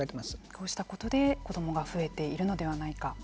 こうしたことで子どもが増えているのではないか。